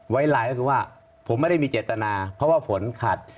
ไลน์ก็คือว่าผมไม่ได้มีเจตนาเพราะว่าฝนขัด